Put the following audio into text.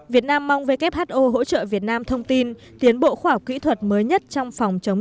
việt nam mong who hỗ trợ việt nam thông tin tiến bộ khoa học kỹ thuật mới nhất trong phòng chống